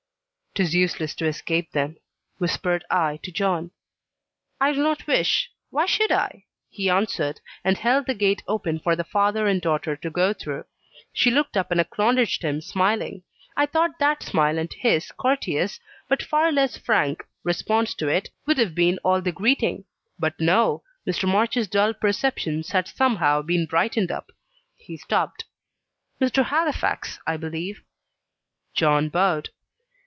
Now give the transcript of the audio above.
"'Tis useless to escape them," whispered I to John. "I do not wish why should I?" he answered, and held the gate open for the father and daughter to go through. She looked up and acknowledged him, smiling. I thought that smile and his courteous, but far less frank, response to it, would have been all the greeting; but no! Mr. March's dull perceptions had somehow been brightened up. He stopped. "Mr. Halifax, I believe?" John bowed.